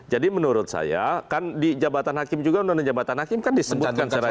jadi menurut saya kan di jabatan hakim juga undang undang jabatan hakim kan disebutkan secara